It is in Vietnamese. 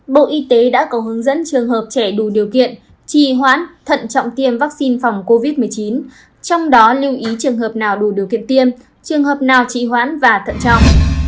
bộ y tế đã có hướng dẫn trường hợp trẻ đủ điều kiện trì hoãn thận trọng tiêm vaccine phòng covid một mươi chín trong đó lưu ý trường hợp nào đủ điều kiện tiêm trường hợp nào trị hoãn và thận trọng